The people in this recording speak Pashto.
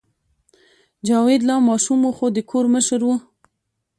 جاوید لا ماشوم و خو د کور مشر و